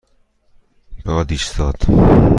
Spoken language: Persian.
باد ایستاد.